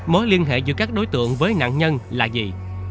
mối liên hệ giữa các đối tượng với nạn nhân là gì